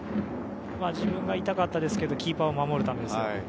自分が痛かったですけどキーパーを守るためですので。